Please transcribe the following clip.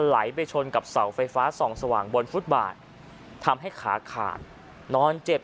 ไหลไปชนกับเสาไฟฟ้าส่องสว่างบนฟุตบาททำให้ขาขาดนอนเจ็บ